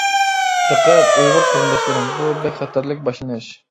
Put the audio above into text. دىققەت، ئۇيغۇر قېرىنداشلىرىم، بۇ بەك خەتەرلىك باشلىنىش!